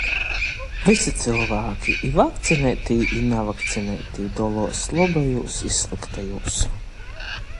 Vysi cylvāki, i vakcineitī, i navakcineitī doluos lobajūs i slyktajūs